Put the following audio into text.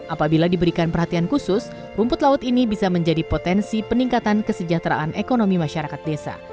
apabila diberikan perhatian khusus rumput laut ini bisa menjadi potensi peningkatan kesejahteraan ekonomi masyarakat desa